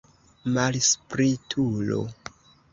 Malspritulo!